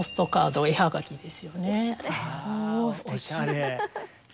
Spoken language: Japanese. あおしゃれ！